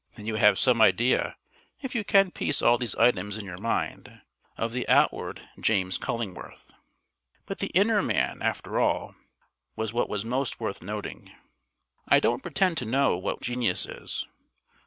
Then you have some idea (if you can piece all these items in your mind) of the outward James Cullingworth. But the inner man, after all, was what was most worth noting. I don't pretend to know what genius is.